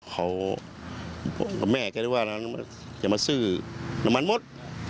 เขากับแม่ก็เลยว่าจะมาซื้อน้ำมันมด